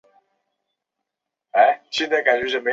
同人女本来单纯用来指爱好创作同人作品的女性。